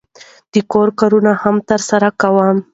د کور کارونه هم ترسره کوم.